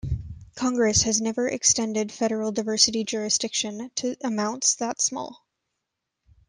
Congress has never extended federal diversity jurisdiction to amounts that small.